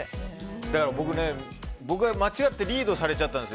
だから僕、間違ってリードされちゃったんです。